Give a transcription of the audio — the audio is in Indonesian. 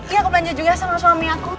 iya aku belanja juga sama suami aku